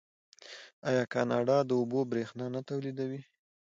آیا کاناډا د اوبو بریښنا نه تولیدوي؟